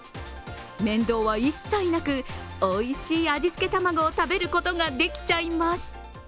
面倒は一切なくおいしい味付けたまごを食べることができちゃいます。